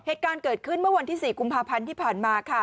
เหตุการณ์เกิดขึ้นเมื่อวันที่๔กุมภาพันธ์ที่ผ่านมาค่ะ